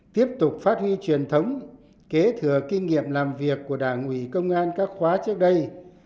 tiếp tục phát huy truyền thống kế thừa kinh nghiệm làm việc của đảng ủy công an các khóa trước đây